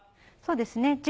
そうですね